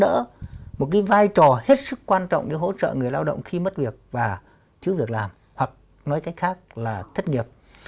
đó là một cái giá đỡ một cái vai trò hết sức quan trọng để hỗ trợ người lao động khi mất việc và chứa việc làm hoặc nói cách khác là thất nghiệp